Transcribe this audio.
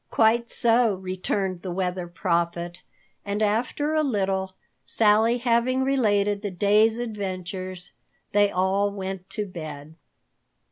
"Quite so," returned the Weather Prophet, and after a little, Sally having related the day's adventures, they all went to bed.